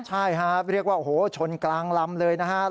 ใช่ครับเรียกว่าโอ้โหชนกลางลำเลยนะครับ